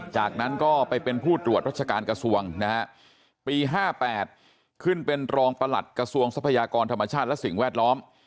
จากนั้นก็ไปเป็นผู้ตรวจรัชการกระทรวงนะฮะปี๕๘ขึ้นเป็นรองประหลัดกระทรวงทรัพยากรธรรมชาติและสิ่งแวดล้อม